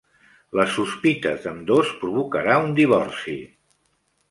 Les sospites d'ambdós provocarà un divorci.